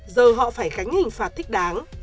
giờ họ phải gánh hình phạt thích đáng